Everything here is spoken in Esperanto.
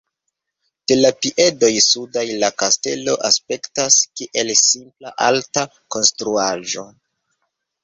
De la piedoj sudaj la kastelo aspektas kiel simpla alta konstruaĵo.